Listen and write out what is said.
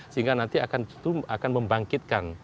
sehingga nanti akan membangkitkan